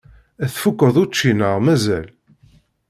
Tfukkeḍ učči neɣ mazal?